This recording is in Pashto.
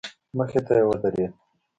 مخې ته يې ودرېد.